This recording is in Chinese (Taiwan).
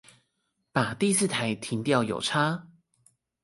把第四台停掉有差